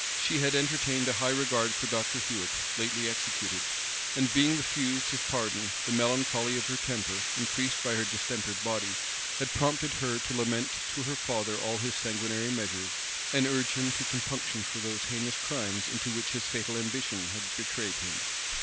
She had entertained a high regard for Dr. Huet, lately executed; and being refused his pardon, the melancholy of her temper, increased by her distempered body, had prompted her to lament to her father all his sanguinary measures, and urge him to compunction for those heinous crimes into which his fatal ambition had betrayed him.